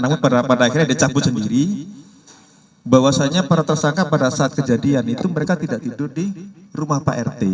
namun pada akhirnya dicabut sendiri bahwasannya para tersangka pada saat kejadian itu mereka tidak tidur di rumah pak rt